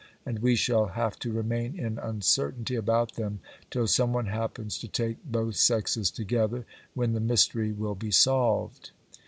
and we shall have to remain in uncertainty about them till some one happens to take both sexes together, when the mystery will be solved.